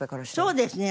そうですね